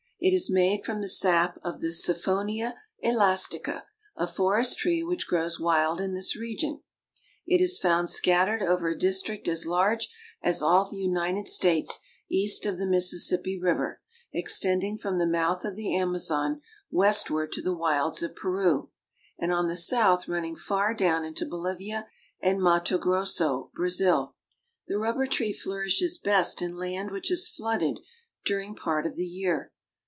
It is made from the sap of the Siphonia elastica, a forest tree which grows wild in this region. It is found scattered over a district as large as all the United States east of the Mississippi river, extending from the mouth of the Amazon westward to the wilds of Peru, and on the south running far down into Bolivia and Matto Grosso, Brazil. The rubber tree flourishes best in land which is flooded during part of the year.